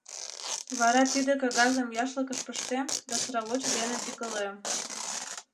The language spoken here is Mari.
Вара тиде кагазым яшлыкыш пыштем да сравоч дене тӱкылем.